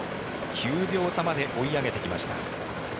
９秒差まで追い上げてきました。